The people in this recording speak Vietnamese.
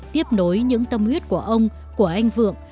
tiếp nối những tâm huyết của ông của anh vượng